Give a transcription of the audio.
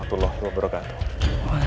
aku percaya padamu jaka